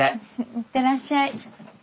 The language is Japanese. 行ってらっしゃい。